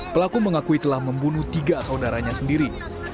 pelaku mengakui telah membunuh tiga saudaranya sendiri